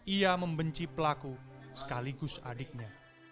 ia membenci pelaku sekaligus adiknya